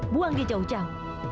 buang dia jauh jauh